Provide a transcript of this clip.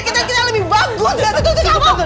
kita lebih bagus gak tentu sih kamu